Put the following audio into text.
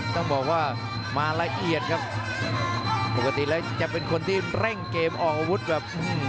ต้องบอกว่ามาละเอียดครับปกติแล้วจะเป็นคนที่เร่งเกมออกอาวุธแบบ